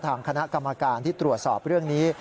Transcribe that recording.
ทางคณะกรรมการที่ตรวจสอบเรื่องนี้